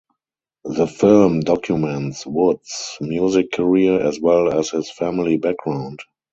The film documents Wood's music career as well as his family background.